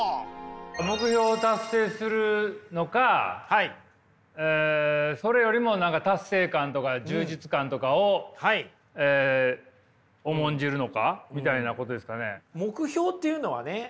目標達成するのかそれよりも達成感とか充実感とかを重んじるのかみたいなことですかね。